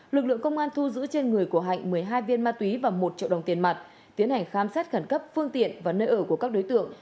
lực lượng công an thu giữ trên người của hạnh một mươi hai viên ma túy và một triệu đồng tiền mặt tiến hành khám xét khẩn cấp phương tiện và nơi ở của các đối tượng